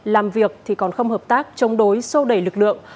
làm việc thì còn không hợp tác chống đối sô đẩy lực lượng